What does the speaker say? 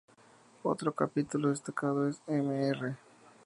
Otro capítulo destacado es "Mr.